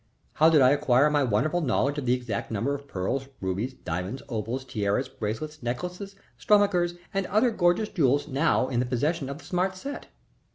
How did I acquire my wonderful knowledge of the exact number of pearls, rubies, diamonds, opals, tiaras, bracelets, necklaces, stomachers, and other gorgeous jewels now in the possession of the smart set?